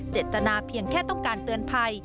เจตนาเพียงแค่ต้องการเตือนภัย